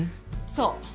そう。